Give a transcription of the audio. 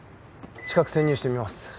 近く潜入してみます。